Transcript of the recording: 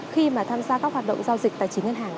khi mà tham gia các hoạt động giao dịch tài chính ngân hàng